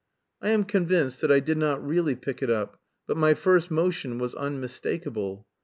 I am convinced that I did not really pick it up, but my first motion was unmistakable.